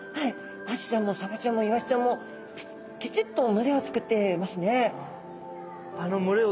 アジちゃんもサバちゃんもイワシちゃんもきちっと群れをつくってますね。